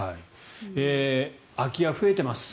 空き家増えています。